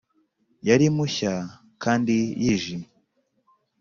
yari mushya kandi yijimye